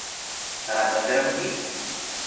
Sarà davvero così?